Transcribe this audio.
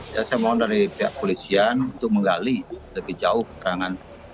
saya mohon dari pihak polisian untuk menggali lebih jauh perangan